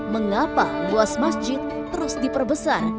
mengapa luas masjid terus diperbesar